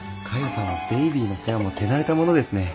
さんはベイビーの世話も手慣れたものですね。